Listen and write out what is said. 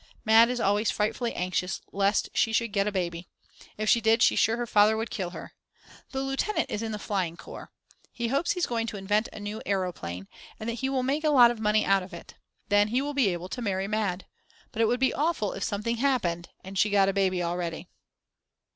Mad. is always frightfully anxious lest she should get a baby. If she did she's sure her father would kill her. The lieutenant is in the flying corps. He hopes he's going to invent a new aeroplane, and that he will make a lot of money out of it. Then he will be able to marry Mad. But it would be awful if something happened and she got a baby already.